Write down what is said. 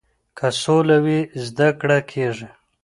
که سوله وي زده کړه کیږي.